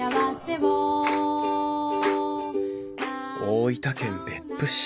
大分県別府市。